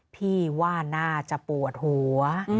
พี่ว่าน่าจะปวดหัว